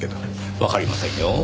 わかりませんよ。